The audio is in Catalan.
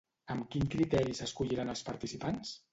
Amb quin criteri s'escolliran els participants?